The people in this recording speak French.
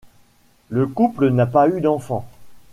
Le couple n’a pas eu d’enfants.